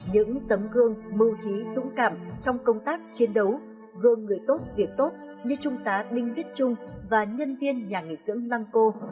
những tấm gương mưu trí dũng cảm trong công tác chiến đấu gương người tốt việc tốt như trung tá đinh viết trung và nhân viên nhà nghỉ dưỡng lăng cô